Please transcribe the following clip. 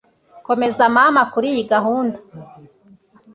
Komeza mama kuriyi gahunda